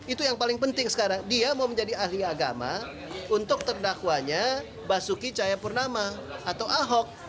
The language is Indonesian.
itu yang paling penting sekarang dia mau menjadi ahli agama untuk terdakwanya basuki cahayapurnama atau ahok